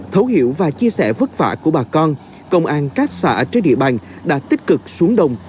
thấu hiểu và chia sẻ vất vả của bà con công an các xã trên địa bàn đã tích cực xuống đồng